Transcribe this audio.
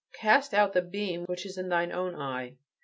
Cast out the beam which is in thine own eye."